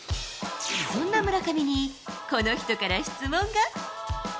そんな村上にこの人から質問